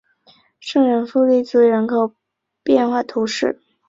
圣博利兹人口变化图示